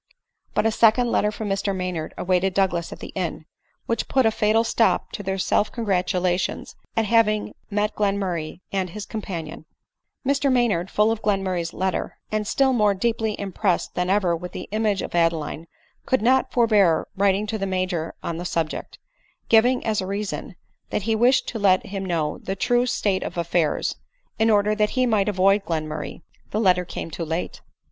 But a second letter from Mr Maynard awaited Major Douglas at the inn, which put a fatal stop to their self congratulations at having met Glenmurray and his com panion* 04 ADELINE MOWBRAY. Mr Maynard, full of Glenmurray's letter, and still more deeply impressed than ever with the image of Adeline, could not forbear writing to the Major on the subject ; giving as a reason, that he wished to let him know the true state of affairs, in order that he might avoid Glenmurray. The letter came too late.